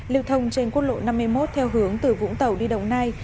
lưu thông trên quốc lộ năm mươi một theo hướng từ vũng tàu đi đồng nai